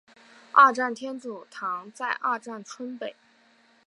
二站天主堂在二站村北。